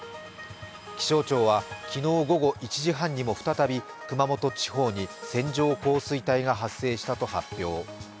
気象庁は昨日午後１時半にも再び熊本地方に線状降水帯が発生したと発表。